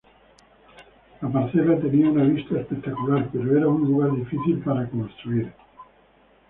La parcela tenía una vista espectacular, pero era un lugar difícil para construir.